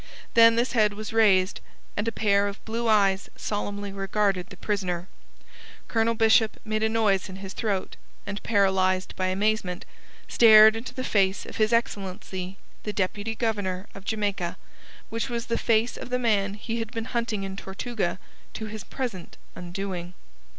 Then this head was raised, and a pair of blue eyes solemnly regarded the prisoner. Colonel Bishop made a noise in his throat, and, paralyzed by amazement, stared into the face of his excellency the Deputy Governor of Jamaica, which was the face of the man he had been hunting in Tortuga to his present undoing.